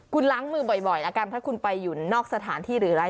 คุณล้างมือบ่อยแล้วกันถ้าคุณไปอยู่นอกสถานที่หรืออะไร